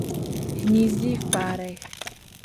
Hnízdí v párech.